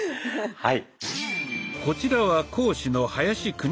はい。